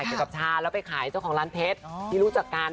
เกี่ยวกับชาแล้วไปขายเจ้าของร้านเพชรที่รู้จักกัน